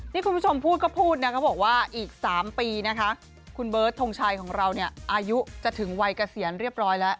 นี่คุณผู้ชมพูดก็พูดนะเขาบอกว่าอีก๓ปีนะคะคุณเบิร์ตทงชัยของเราเนี่ยอายุจะถึงวัยเกษียณเรียบร้อยแล้ว